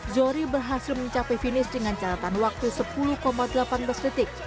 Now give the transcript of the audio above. zohri berhasil mencapai finish dengan catatan waktu sepuluh delapan belas detik